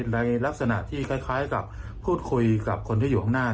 ในลักษณะที่คล้ายกับพูดคุยกับคนที่อยู่ข้างหน้า